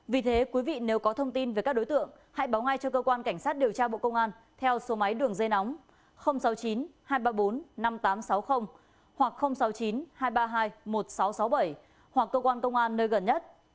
vì thế quý vị nếu có thông tin về các đối tượng hãy báo ngay cho cơ quan cảnh sát điều tra bộ công an theo số máy đường dây nóng sáu mươi chín hai trăm ba mươi bốn năm nghìn tám trăm sáu mươi hoặc sáu mươi chín hai trăm ba mươi hai một nghìn sáu trăm sáu mươi bảy hoặc cơ quan công an nơi gần nhất